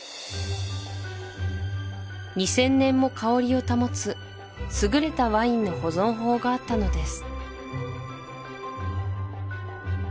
２０００年も香りを保つ優れたワインの保存法があったのです